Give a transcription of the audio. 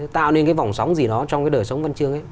tạo nên cái vòng sóng gì đó trong cái đời sống văn chương ấy